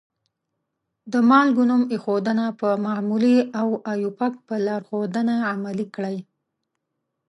د مالګو نوم ایښودنه په معمولي او آیوپک په لارښودنه عملي کړئ.